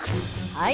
はい。